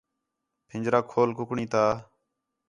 پھنجرہ کھول کُکڑیں تا